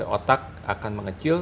otak akan mengecil